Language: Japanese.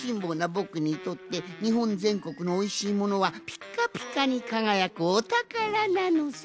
ぼくにとってにほんぜんこくのおいしいものはピッカピカにかがやくお宝なのさ！